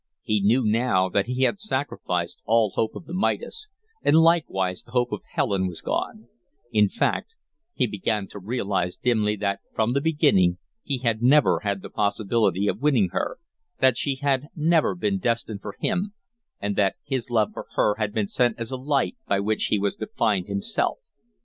He knew now that he had sacrificed all hope of the Midas, and likewise the hope of Helen was gone; in fact, he began to realize dimly that from the beginning he had never had the possibility of winning her, that she had never been destined for him, and that his love for her had been sent as a light by which he was to find himself.